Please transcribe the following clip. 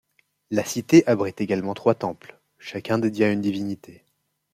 La cité abrite également trois temples, chacun dédié à une divinité.